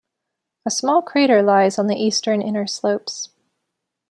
A small crater lies on the eastern inner slopes.